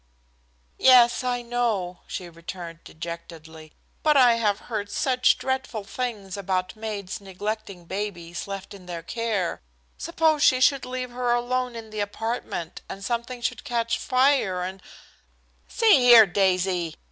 "Yes, I know," she returned dejectedly. "But I have heard such dreadful things about maids neglecting babies left in their care. Suppose she should leave her alone in the apartment, and something should catch fire and " "See here, Daisy!"